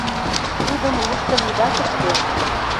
Тудым луктын ида кышке.